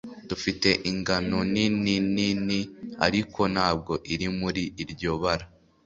Dufite inganonininini ariko ntabwo iri muri iryo bara